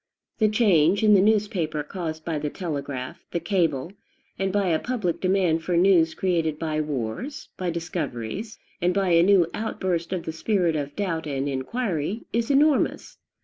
The change in the newspaper caused by the telegraph, the cable, and by a public demand for news created by wars, by discoveries, and by a new outburst of the spirit of doubt and inquiry, is enormous.